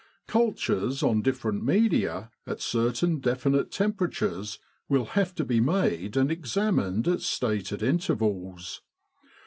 Cul tures on different media, at certain definite tempera tures, will have to be made and examined at stated intervals.